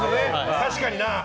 確かにな。